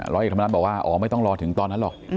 ร้อยเอกธรรมนัฐบอกว่าอ๋อไม่ต้องรอถึงตอนนั้นหรอก